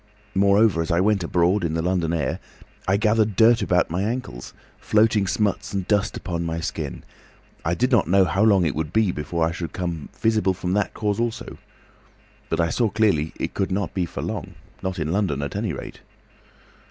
Moreover, as I went abroad—in the London air—I gathered dirt about my ankles, floating smuts and dust upon my skin. I did not know how long it would be before I should become visible from that cause also. But I saw clearly it could not be for long. "Not in London at any rate.